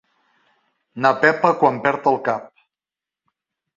Na Pepa quan perd el cap.